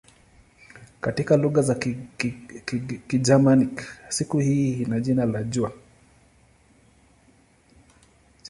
Katika lugha za Kigermanik siku hii ina jina la "jua".